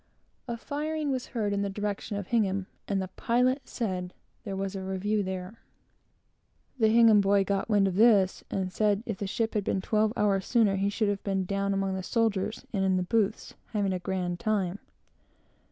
A firing was heard in the direction of Hingham, and the pilot said there was a review there. The Hingham boy got wind of this, and said if the ship had been twelve hours sooner, he should have been down among the soldiers, and in the booths, and having a grand time.